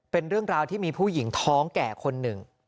เป็นเรื่องราวที่มีผู้หญิงท้องแก่คนหนึ่ง